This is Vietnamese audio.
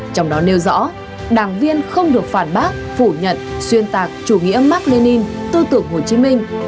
trong đó nêu rõ đảng viên không được phản bác phủ nhận xuyên tạc chủ nghĩa mark lenin tư tưởng hồ chí minh